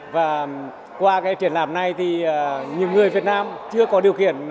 và qua cái triển lãm này thì những người việt nam chưa có điều kiện